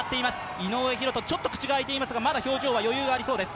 井上大仁、ちょっと口が開いていますが、表情にまだ余裕があります。